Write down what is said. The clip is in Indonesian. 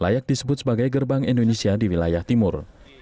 layak disebut sebagai gerbang indonesia di wilayah timur